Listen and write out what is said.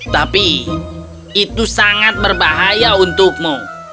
tapi itu sangat berbahaya untukmu